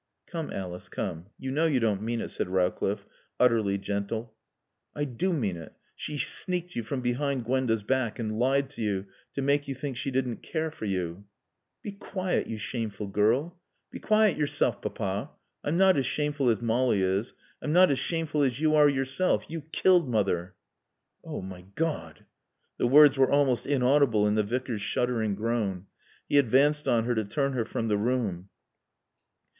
"Come, Alice, come. You know you don't mean it," said Rowcliffe, utterly gentle. "I do mean it! She sneaked you from behind Gwenda's back and lied to you to make you think she didn't care for you " "Be quiet, you shameful girl!" "Be quiet yourself, Papa. I'm not as shameful as Molly is. I'm not as shameful as you are yourself. You killed Mother." "Oh my God " The words were almost inaudible in the Vicar's shuddering groan. He advanced on her to turn her from the room.